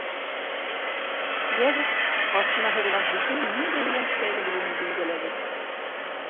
Йәгеҙ, аҫтына һыҙылған һүҙҙең ниндәй һөйләм киҫәге булыуын билдәләгеҙ.